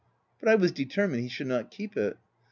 But I was determined he should not keep it.